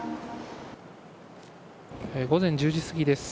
午前１０時過ぎです。